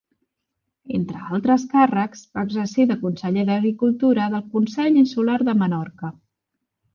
Entre altres càrrecs, va exercir de conseller d'Agricultura del Consell Insular de Menorca.